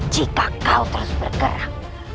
jika kau terus bergerak